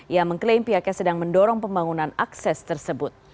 ia mengklaim pihaknya sedang mendorong pembangunan akses tersebut